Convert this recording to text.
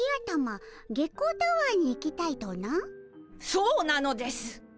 そうなのです。